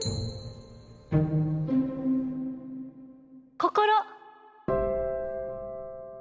心。